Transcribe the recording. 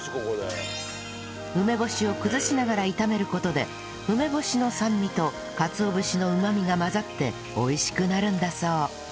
梅干しを崩しながら炒める事で梅干しの酸味とかつお節のうまみが混ざって美味しくなるんだそう